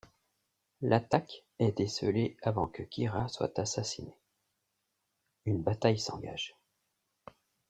L'attaque est décelée avant que Kira soit assassiné, une bataille s'engage.